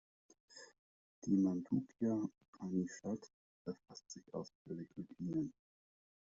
Die Mandukya-Upanishad befasst sich ausführlich mit ihnen.